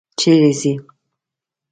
چېرې ځې؟